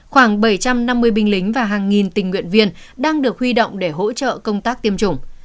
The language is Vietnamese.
khoảng bảy trăm năm mươi binh lính và hàng nghìn tình nguyện viên đang được huy động để hỗ trợ công tác tiêm chủng